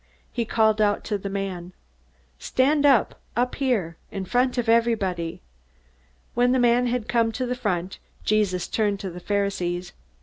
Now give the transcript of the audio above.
He called out to the man, "Stand up up here, in front of everybody!" When the man had come to the front, Jesus turned to the Pharisees.